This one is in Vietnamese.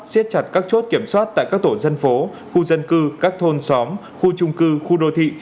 xiết chặt các chốt kiểm soát tại các tổ dân phố khu dân cư các thôn xóm khu trung cư khu đô thị